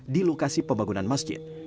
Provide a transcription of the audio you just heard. di lokasi pembangunan masjid